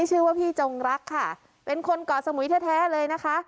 ชื่อว่าพี่จงรักค่ะเป็นคนเกาะสมุยแท้เลยนะคะ